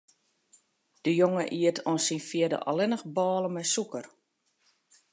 De jonge iet oant syn fjirde allinnich bôle mei sûker.